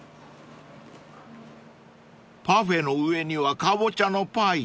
［パフェの上にはカボチャのパイ］